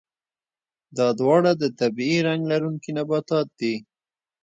دا دواړه د طبیعي رنګ لرونکي نباتات دي.